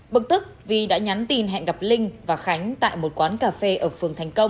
bực tức vi đã nhắn tin hẹn gặp linh và khánh tại một quán cà phê ở phường thành công